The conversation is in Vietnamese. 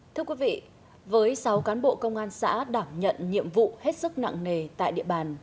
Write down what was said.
thưa quý vị với sáu cán bộ công an xã đảm nhận nhiệm vụ hết sức nặng nề tại địa bàn